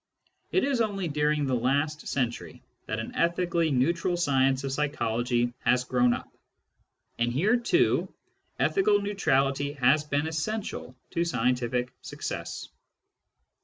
It is only during the last century that an ethically neutral science of psychology has grown up ; and here too ethical neutrality has been essential to scientific success.